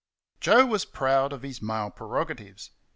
Joe was proud of his male prerogatives.